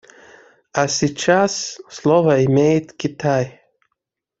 А сейчас слово имеет Китай.